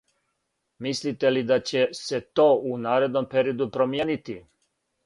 Мислите ли да ће се то у наредном периоду промијенити?